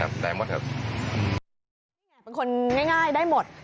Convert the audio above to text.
ครับได้หมดครับเป็นคนง่ายง่ายได้หมดอ่า